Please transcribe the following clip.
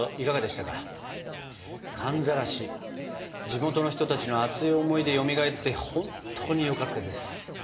地元の人たちの熱い思いでよみがえって本当によかったです。